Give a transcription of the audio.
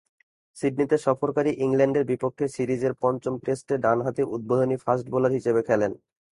সিডনিতে সফরকারী ইংল্যান্ডের বিপক্ষে সিরিজের পঞ্চম টেস্টে ডানহাতি উদ্বোধনী ফাস্ট বোলার হিসেবে খেলেন।